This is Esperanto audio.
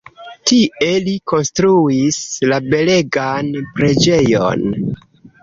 Tie li konstruis la belegan preĝejon.